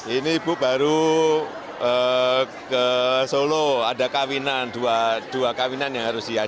ini ibu baru ke solo ada kawinan dua kawinan yang harus diajarkan